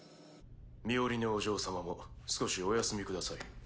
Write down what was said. ミオリネお嬢様も少しお休みください。